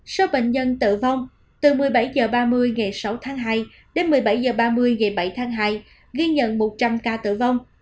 số bệnh nhân tử vong từ một mươi bảy h ba mươi ngày sáu tháng hai đến một mươi bảy h ba mươi ngày bảy tháng hai ghi nhận một trăm linh ca tử vong